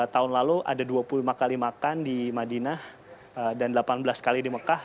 tahun lalu ada dua puluh lima kali makan di madinah dan delapan belas kali di mekah